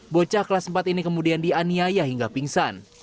bocah kelas empat ini kemudian dianiaya hingga pingsan